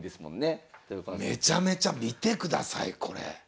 めちゃめちゃ見てくださいこれ。